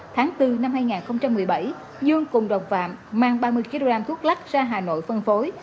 tháng bốn năm hai nghìn một mươi bảy dương cùng đồng phạm mang ba mươi kg thuốc lắc ra hà nội phân phối